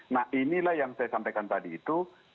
nah inilah yang saya sampaikan tadi itu